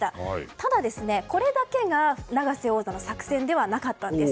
ただ、これだけが永瀬王座の作戦ではなかったんです。